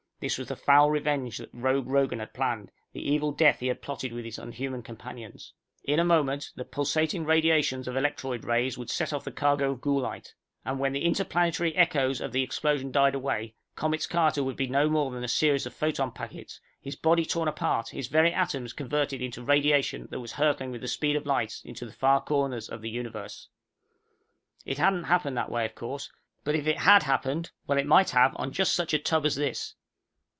This was the foul revenge that Rogue Rogan had planned, the evil death he had plotted with his unhuman companions. In a moment the pulsating radiations of electroid rays would set off the cargo of ghoulite, and when the interplanetary echoes of the explosion died away, Comets Carter would be no more than a series of photon packets, his body torn apart, his very atoms converted into radiation that was hurtling with the speed of light to the far corners of the universe...._ It hadn't happened that way, of course. But if it had happened well, it might have on just such a tub as this.